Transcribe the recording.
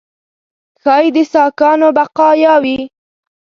ښایي د ساکانو بقایاوي.